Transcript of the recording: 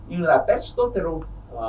như là testosterone